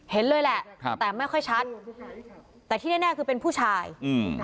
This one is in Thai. เห็นเลยแหละครับแต่ไม่ค่อยชัดแต่ที่แน่แน่คือเป็นผู้ชายอืม